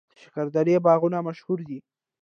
د شکردرې باغونه مشهور دي